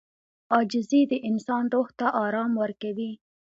• عاجزي د انسان روح ته آرام ورکوي.